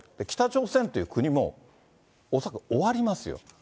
北朝鮮という国も、恐らく終わりますよ。